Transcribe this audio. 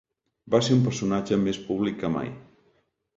Va ser un personatge més públic que mai.